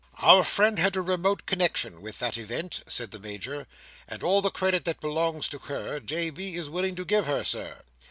"Our friend had a remote connexion with that event," said the Major, "and all the credit that belongs to her, J. B. is willing to give her, Sir.